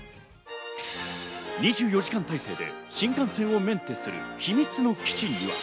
２４時間体制で新幹線をメンテナンスする秘密の基地。